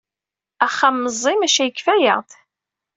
Axxam meẓẓi maca yekfa-yaɣ-d.